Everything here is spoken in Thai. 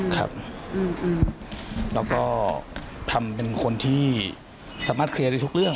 ครับแล้วก็ทำเป็นคนที่สามารถเคลียร์ได้ทุกเรื่อง